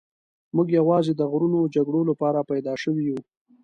موږ یوازې د غرونو جګړو لپاره پیدا شوي یو.